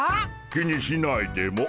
気にしないでモ。